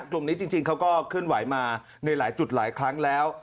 กลุ่มนี้จริงเขาก็เคลื่อนไหวมาในหลายจุดหลายครั้งแล้ว